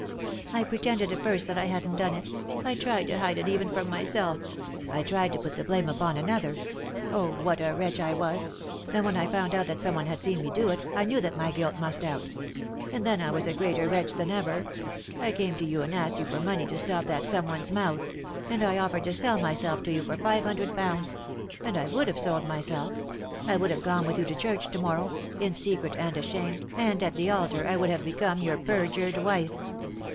" I pretended at first that I hadn't done it ; I tried to hide it even from myself; I tried to put the blame upon another — oh, what a wretch I was I — then when I found out that someone had seen me do it I knew that my guilt must out And then I was a greater wretch than ever— I came to you and asked yon for 298 3i 9 iii^d by Google THE INTERRUPTED KISS money to stop that someone's mouth ; and I offered to sell myself to you for five hundred pounds ; and I would have sold myself. I would have gone with you to church to morrow ; in secret, and ashamed, and at the altar I would hare become your perjured wife.